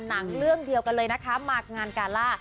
หนังเรื่องเดียวกันเลยนะคะมางานกาล่า